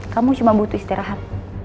kamu cuma butuh istirahat